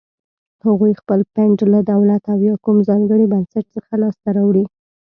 هغوی خپل فنډ له دولت او یا کوم ځانګړي بنسټ څخه لاس ته راوړي.